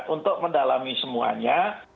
untuk mendalami semuanya